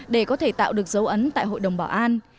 để có thể tạo được dấu ấn tại hội đồng bảo an